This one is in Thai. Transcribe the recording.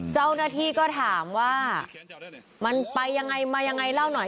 เจ้าหน้าที่ก็ถามว่ามันไปยังไงมายังไงเล่าหน่อย